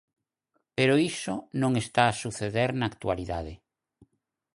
Pero iso non está a suceder na actualidade.